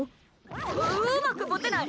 うまく持てない！